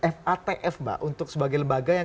fatf mbak untuk sebagai lembaga yang